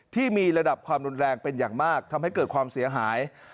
ที่มีระดับความรุนแรงเป็นอย่างมากทำให้เกิดความเสียหาย